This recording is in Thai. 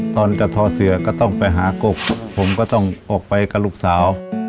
ตอนกระทอเสือก็ต้องไปหากบผมก็ต้องออกไปกับลูกสาว